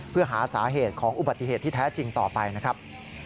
เพื่อหาสาเหตุของอุบัติเหตุที่แท้จริงต่อไปนะครับ